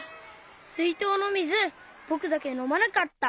すいとうのみずぼくだけのまなかった。